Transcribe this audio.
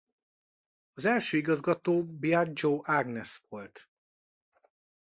Az első igazgató Biagio Agnes volt.